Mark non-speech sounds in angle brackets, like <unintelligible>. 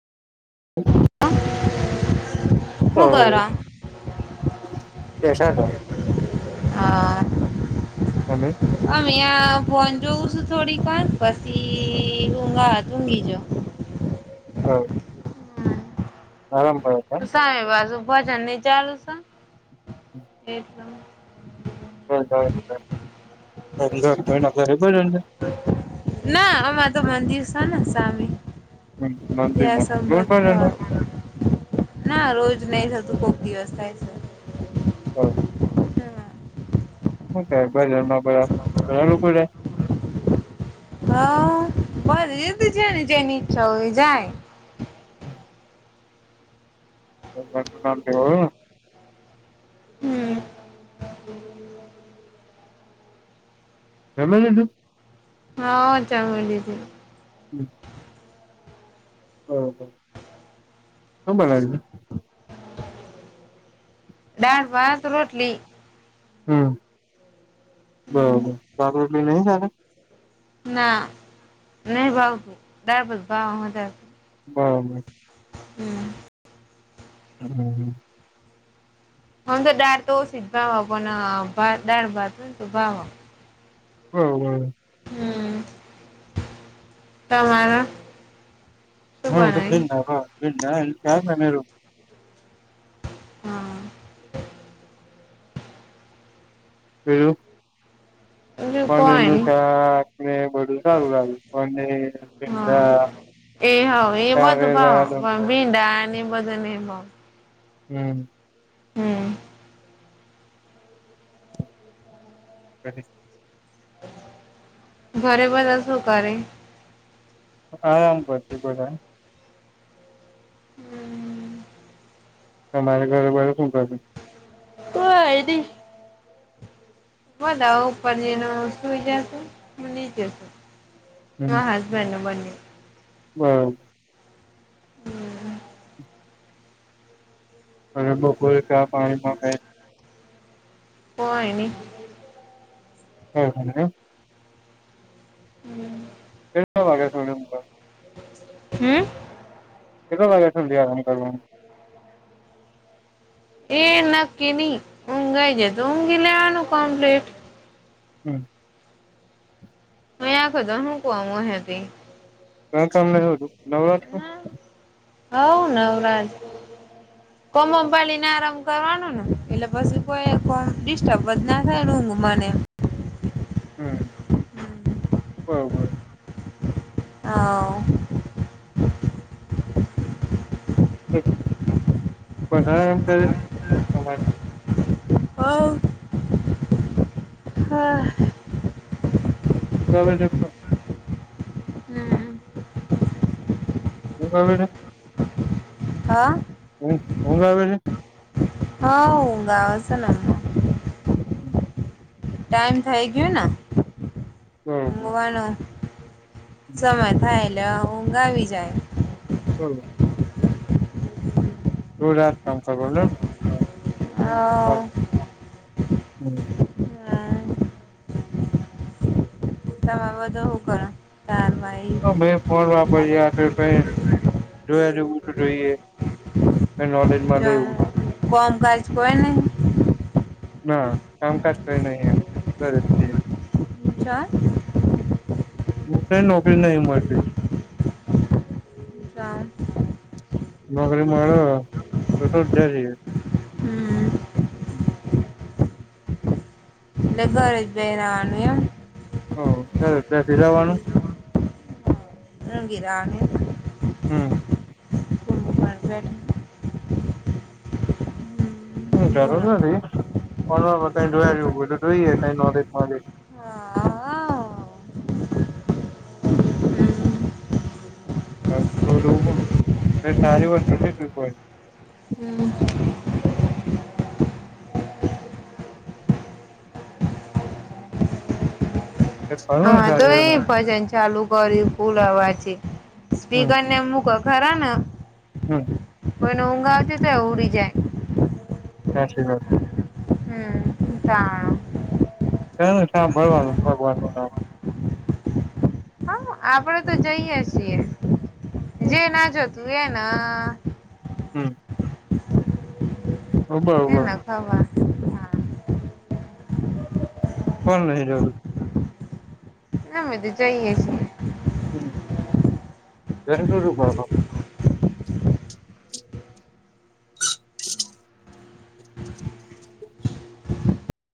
હ હું કરો? <unintelligible> શ <unintelligible> હા. અમે આ ફોન જોવ છું, થોડીક. દુકાન પછી ઊંઘ આવે, તો ઊંઘી જઉં. હા. સામે બાજુ ભજનને ચાલું. એ પણ હ બબર <unintelligible> ના, આમા તો હા, દિવસાને સામે. <unintelligible> સબ હ <unintelligible> ના રોજ નહી થતું કો. દિવસ થાય છે. હા હા શ ક ભ ન કર ઘણા લોકો છે હ ભરીએ તે છેની જેની ઈચ્છા હોય જાય નામ હમ જમી લીધુ હાઓ જમી લીધુ હમ હ હ સુ બનાયું છે દાળ ભાત રોટલી હમ બરોબર સાગ એટલી નહી છે આજે ના નહી ભાવતું દાળ ભાત ભાવે હોજે બરાબર હમ હમ હમ આમ તો દાળ તો ઓછી જ ભાવે પણ ભા દાળ ભાત હોયન તો ભાવે હમ હમ તમારા હમ ભિ હ ભિાર હા બીજું બીજું પણ કોઈ એનું નઈ શાકનેએ બધું સારુ લાગ્યુ પનીર ભીંડા હા. એ હવ એ બધું કારેલા ભાવ પણ ભીડાને એ બધું નહીં ભાવ હમ હમ હ ઘરે બધા શું કરે આરામ કરે છે બધા હમ અમારે ઘરે બધા શું કરે કાય નહીં બધા ઉપર જયને સુુંઈ જશે હું નીચે સુ મા હસબનને બન્ને હમ હમ હ અરે બપલ ક્યા પાણીમાં હોય ની હમ હમ હ. હમ. એટ વાગ થોડ મુ. હમ. કેતો લાગે દ આમ કર. એ નક્કી નહી ઊંઘાઈ જાય તો ઊંઘી લેવાનું કમ્પ્લેટ. હમ. અ આખ તો શૂકવામાં હતી. કને તું નવરાત્ર. હવ નવરાજ કોમમ પાળને આરા. કરવાનું ને એટલે પછી કોઈ ડિસ્ટર્બન્સ ના થાય ઊઘ મને. હમ બરોબર. હા. બધ એમ કર તમા. હ <unintelligible> હા. ચબ. હ બડા. હા. ઊંઘ આવે છે. હા ઊંઘ છે ન. હમ. ટાઈમ થઇ ગયો ને બરોબર મવાનું. સમય થાય એટલે ઊંઘ આવી જાય. થોડાત કામ કર. વાત હમ. હા. તમે બધો શું કરો તાર? ભાઈ હ મેં ફોન વાપરયા હતો કઈ જોયા જોવું તો જોઈએ. કઈ નોલેજ મળે જો એવું કોમકાજ કોય ને. ના કામકાજ કઈ નહી ગર. ચાર. હું કઈ નોકરી નહી મળતી. બજાર. નોકરી મળ્યો તો શું જ જ. હમ. હલો. લગવારેજ ભાઈરાવાનું એ. ઓ ચાલ ત્યાથી જવાનું. ઊંઘી જવાનું. <unintelligible> હમ. બફેટ. હમ જરૂર નથી પણ ક જોયા એ જોઈએ ક નોલેજ નલે. હા. હા. સારી વસ્તુ છે શ. હચ. પડે ખરું ને હા તો સારી એ ભજન ચાલુ કર્યું પુલાવા છે. હમ સ્પીકર ને મૂક ખરા ને. હમ કોઈને ઊંઘ આવતી તો ઉડી જાય. <unintelligible> હમ્મ તાણ <unintelligible> સાંભળવાનું <unintelligible> આપડે તો જઈએ છીએ, હમ જે ના જોતું એન હમ્મ ઓ બહ હો બ એને ખબર હા કોણ નહી જોતું? નામેધી જઈએ છી <unintelligible> <inaudible>